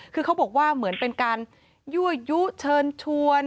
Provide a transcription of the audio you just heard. คือเขาบอกว่าเหมือนเป็นการยั่วยุเชิญชวน